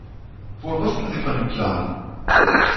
Woher wussten Sie von dem Plan?